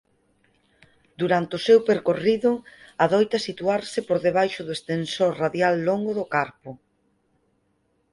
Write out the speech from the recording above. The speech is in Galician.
Durante o seu percorrido adoita situarse por debaixo do extensor radial longo do carpo.